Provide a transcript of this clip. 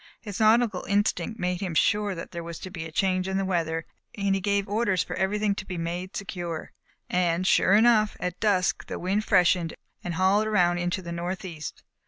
His nautical instinct made him sure that there was to be a change in the weather, and he gave orders for everything to be made secure. And, sure enough, at dusk the wind freshened and hauled around into the north east.